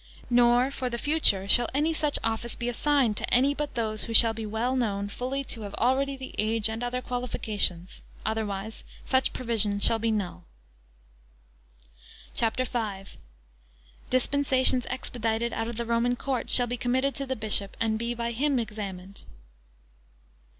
Nor, for the future, shall any such office be assigned to any but those who shall be well known fully to have already the age and the other qualifications; otherwise such provision shall be null. CHAPTER V. Dispensations expedited out of the (Roman) court shall be committed to the Bishop, and be by him examined.